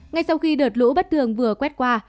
ngay sau khi đợt lũ bất thường vừa quét qua